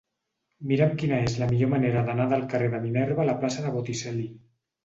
Mira'm quina és la millor manera d'anar del carrer de Minerva a la plaça de Botticelli.